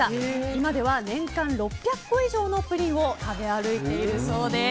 今では年間６００個以上のプリンを食べ歩いているそうです。